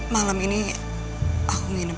malam ini aku nginep